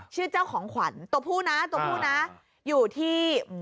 ชื่อเจ้าของขวัญตัวผู้นะอยู่ที่